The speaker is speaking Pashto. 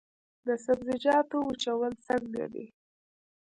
د سبزیجاتو وچول څنګه دي؟